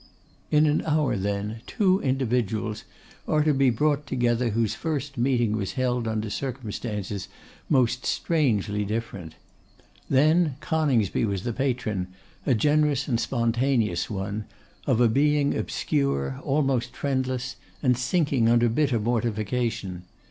In an hour, then, two individuals are to be brought together whose first meeting was held under circumstances most strangely different. Then Coningsby was the patron, a generous and spontaneous one, of a being obscure, almost friendless, and sinking under bitter mortification.